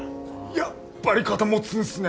やっぱり肩持つんっすね。